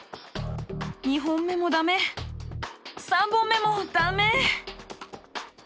２本目もダメ３本目もダメ！